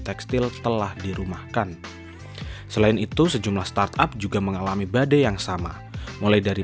tekstil telah dirumahkan selain itu sejumlah startup juga mengalami badai yang sama mulai dari